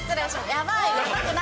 やばい。